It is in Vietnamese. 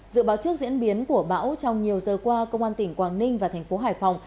dự báo trước diễn biến của bão trong nhiều giờ qua công an tỉnh quảng ninh và thành phố hải phòng